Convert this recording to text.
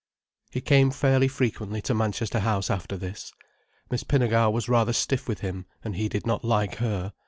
He came fairly frequently to Manchester House after this. Miss Pinnegar was rather stiff with him and he did not like her.